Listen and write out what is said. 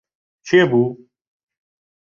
کێ بوو؟